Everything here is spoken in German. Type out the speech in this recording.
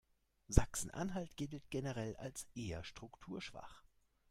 Sachsen-Anhalt gilt generell als eher strukturschwach.